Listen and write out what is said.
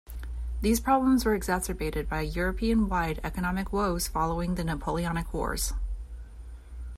These problems were exacerbated by European wide economic woes following the Napoleonic Wars.